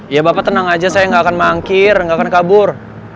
ya bapak tenang aja saya nggak akan mangkir nggak akan kabur